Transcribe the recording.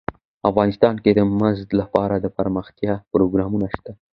افغانستان کې د زمرد لپاره دپرمختیا پروګرامونه شته.